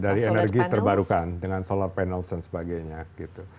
dari energi terbarukan dengan solar panels dan sebagainya gitu